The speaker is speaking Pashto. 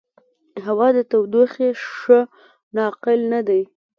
هوا د تودوخې ښه ناقل نه دی.